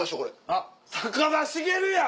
あっ高田繁や！